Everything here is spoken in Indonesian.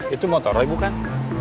itu motorloy bukan